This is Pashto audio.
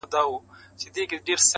له مودو ستا د دوستی یمه لېواله.!